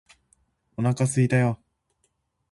お腹すいたよ！！！！！